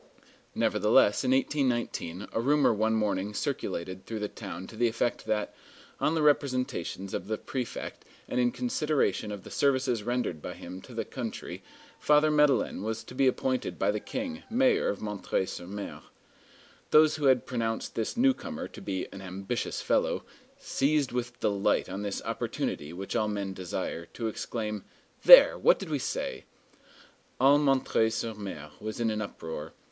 Nevertheless, in 1819 a rumor one morning circulated through the town to the effect that, on the representations of the prefect and in consideration of the services rendered by him to the country, Father Madeleine was to be appointed by the King, mayor of M. sur M. Those who had pronounced this newcomer to be "an ambitious fellow," seized with delight on this opportunity which all men desire, to exclaim, "There! what did we say!" All M. sur M. was in an uproar.